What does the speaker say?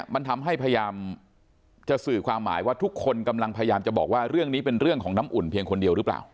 มันทำให้พยายามจะสื่อความหมายว่าทุกคนกำลังพยายามจะบอกว่าเรื่องนี้เป็นเรื่องของน้ำอุ่นเพียงคนเดียวหรือเปล่า